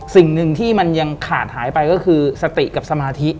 สิ่งหนึ่งที่มันยังขาดหายไปก็คือสติกับสมาธิ